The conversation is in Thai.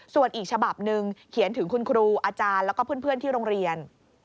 ส่วนอีกฉบับหนึ่งเขียนถึงคุณครูอาจารย์แล้วก็เพื่อนที่โรงเรียน